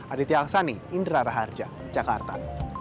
aditya aksani indra raharja jakarta